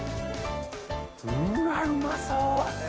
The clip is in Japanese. うわうまそう。